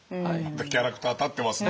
キャラクターたってますね。